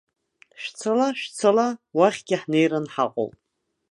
Шәцала, шәцала, уахьгьы ҳнеираны ҳаҟоуп!